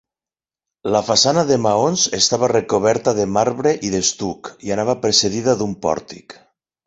La façana de maons estava recoberta de marbre i d'estuc i anava precedida d'un pòrtic.